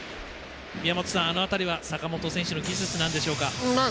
宮本さんあの辺りは坂本選手の技術なんでしょうか？